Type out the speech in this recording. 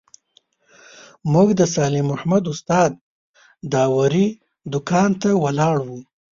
موږ د صالح محمد استاد داوري دوکان ته ولاړو.